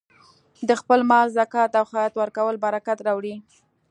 د خپل مال زکات او خیرات ورکول برکت راوړي.